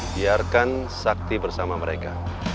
biarkan sakti bersama mereka